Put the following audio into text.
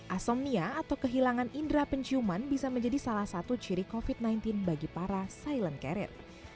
asomnia atau kehilangan indera penciuman bisa menjadi salah satu ciri covid sembilan belas bagi para silent carrier